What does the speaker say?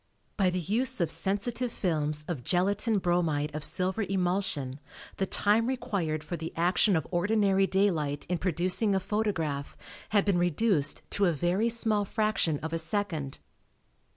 By the use of sensitive films of gelatine bromide of silver emulsion the time required for the action of ordinary daylight in producing a photograph had been reduced to a very small fraction of a second.